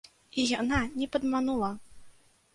І яна не падманула!